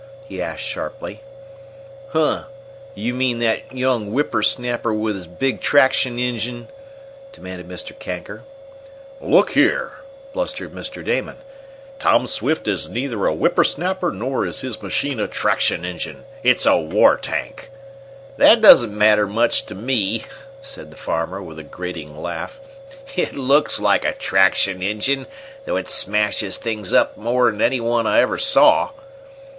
he asked sharply. "Huh! Do you mean that young whipper snapper with his big traction engine?" demanded Mr. Kanker. "Look here!" blustered Mr. Damon, "Tom Swift is neither a whipper snapper nor is his machine a traction engine. It's a war tank." "That doesn't matter much to me," said the farmer, with a grating laugh. "It looks like a traction engine, though it smashes things up more'n any one I ever saw."